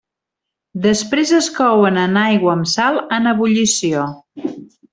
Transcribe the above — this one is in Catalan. Després es couen en aigua amb sal en ebullició.